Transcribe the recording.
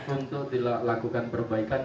untuk dilakukan perbaikan